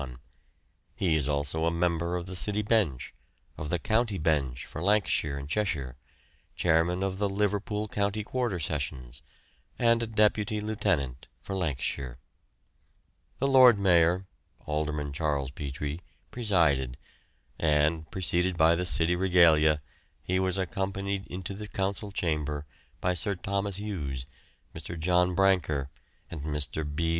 He is also a member of the city bench, of the county bench for Lancashire and Cheshire, chairman of the Liverpool County Quarter Sessions, and a deputy lieutenant for Lancashire. The Lord Mayor (Alderman Charles Petrie) presided, and, preceded by the city regalia, he was accompanied into the Council chamber by Sir Thomas Hughes, Mr. John Brancker, and Mr. B.